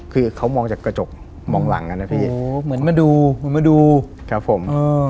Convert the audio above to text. คือเขามองจากกระจกมองหลังอ่ะนะพี่โหเหมือนมาดูครับผม